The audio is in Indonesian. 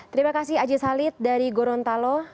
terima kasih aji salid dari gorontalo